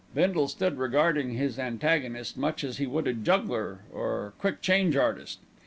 Bindle stood regarding his antagonist much as he would a juggler, or quick change artist.